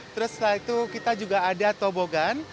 terus setelah itu kita juga ada tobogan